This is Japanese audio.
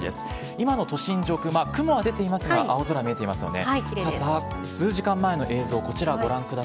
今の都心上空、雲は出ていますが、青空見えていますので。